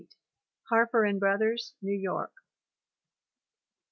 Harper & Brothers, New York.